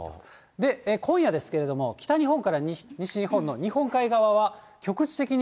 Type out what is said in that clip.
で、今夜ですけれども、北日本から西日本の日本海側は、局地的に